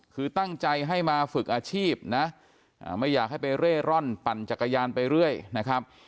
คือตั้งใจให้มาฝึกอาชีพนะไม่อยากให้ไปเร่ร่อนปั่นจักรยานไปเรื่อยนะครับ